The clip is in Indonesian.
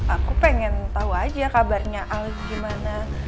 aku pengen tahu aja kabarnya ali gimana